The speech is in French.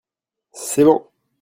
c'est bon.